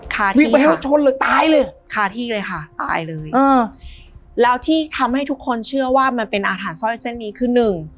ยิงไปแล้วชนเลยตายเลยคาที่เลยค่ะตายเลยเออแล้วที่ทำให้ทุกคนเชื่อว่ามันเป็นอาหารสร้อยเส้นนี้คือหนึ่ง